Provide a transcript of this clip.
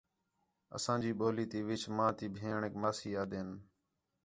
اساں جی ٻولی تی وِچ ماں تی بھیݨیک ماسی آہدے ہین